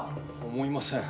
思いません。